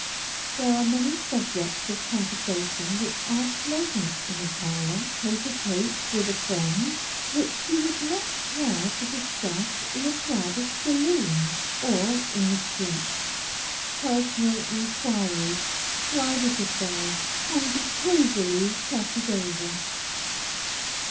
There are many subjects of conversation which are pleasant in a parlor, tête à tête with a friend, which you would not care to discuss in a crowded saloon, or in the street. Personal inquiries, private affairs can be cosily chatted over.